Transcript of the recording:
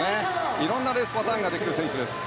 いろんなレースパターンができる選手です。